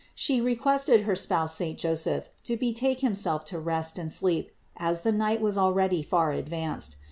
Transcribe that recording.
She requested her spouse saint Joseph to betake himself to rest and sleep as the night was already far advanced.